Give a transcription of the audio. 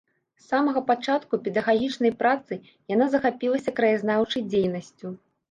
З самага пачатку педагагічнай працы яна захапілася краязнаўчай дзейнасцю.